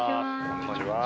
こんにちは。